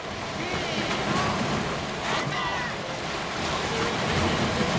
かぞえてみるぞ。